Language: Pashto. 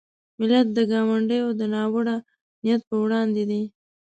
ملت د ګاونډیو د ناوړه نیت په وړاندې دی.